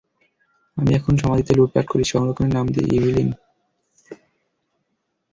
আমি এখন সমাধিতে লুটপাট করি সংরক্ষণের নাম দিয়ে, ইভিলিন!